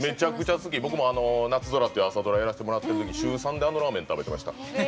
僕も「なつぞら」って朝ドラをやらせてもらってるときに週３であのラーメン食べてました。